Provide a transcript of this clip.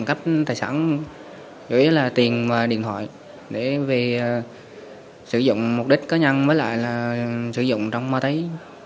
chỉ là tiền và điện thoại để sử dụng mục đích cá nhân với lại sử dụng trong mơ tấy